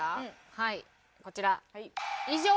はいこちら。